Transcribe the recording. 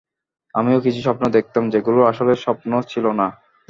আমিও কিছু স্বপ্ন দেখতাম যেগুলো আসলে স্বপ্ন ছিল না।